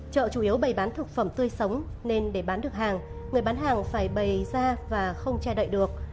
chợ chủ yếu bày bán thực phẩm tươi sống nên để bán được hàng người bán hàng phải bày ra và không che đậy được